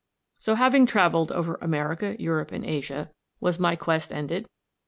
So having travelled over America, Europe, and Asia, was my quest ended?